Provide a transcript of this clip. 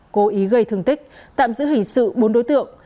cố ý gây thương tích tạm giữ hình sự bốn đối tượng